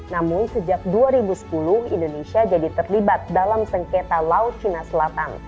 namun sejak dua ribu sepuluh indonesia jadi terlibat dalam sengketa laut cina selatan